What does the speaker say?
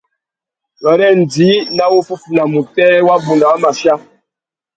Wêrê djï nà wuffuana mutēh wabunda wa mà chia.